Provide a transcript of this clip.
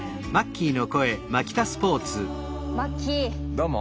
どうも。